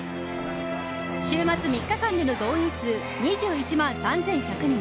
週末３日間での動員数２１万３１００人。